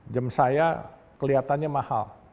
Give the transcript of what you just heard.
jam saya kelihatannya mahal